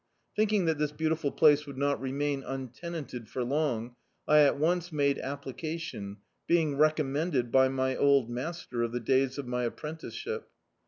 Thinking that this beautiful place would not remain untenanted for long, I at once made application, being recommended by my old master of the days of my apprenticeship.